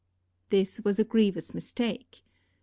This was a grievous mistake.